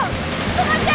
止まって！